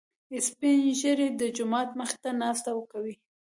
سپين ږيري د جومات مخې ته ناسته کوي.